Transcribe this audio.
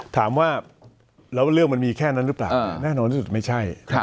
ถามว่าแล้วเรื่องมันมีแค่นั้นหรือเปล่าแน่นอนที่สุดไม่ใช่